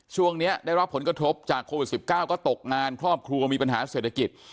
ช่วงนี้ได้รับผลกระทบจากโควิด๑๙ก็ตกงานครอบครัวมีปัญหาเศรษฐกิจ